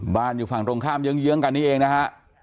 อยู่ฝั่งตรงข้ามเยื้องกันนี่เองนะฮะ